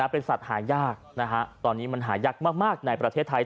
เป็นสัตว์หายากตอนนี้มันหายากมากในประเทศไทย